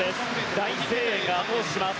大声援があと押しします。